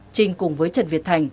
trình cùng với trần việt thành